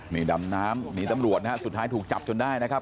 นี่ดำน้ำหนีตำรวจนะฮะสุดท้ายถูกจับจนได้นะครับ